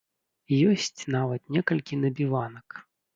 Ёсць нават некалькі набіванак.